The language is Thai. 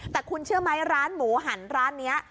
แต่คุณเชื่อไหมร้านหมูหันร้านนี้